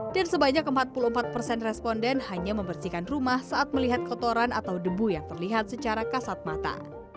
dan sebanyak empat puluh empat persen responden hanya membersihkan rumah saat melihat kotoran atau debu yang terlihat secara kasat mata